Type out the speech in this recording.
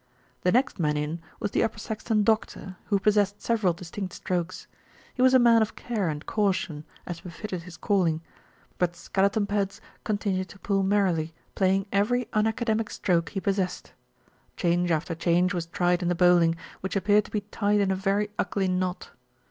The next man in was the Upper Saxton doctor, who possessed several distinct strokes. He was a man of care and caution, as befitted his calling; but Skeleton Pads continued to pull merrily, playing every unaca demic stroke he possessed. Change after change was tried in the bowling, which appeared to be tied in a very ugly knot.